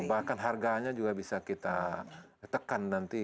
bahkan harganya juga bisa kita tekan nanti